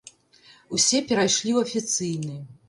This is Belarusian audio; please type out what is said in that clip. Усе перайшлі ў афіцыйны.